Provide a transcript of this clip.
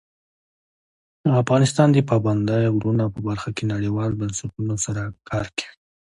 افغانستان د پابندی غرونه په برخه کې نړیوالو بنسټونو سره کار کوي.